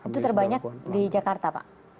itu terbanyak di jakarta pak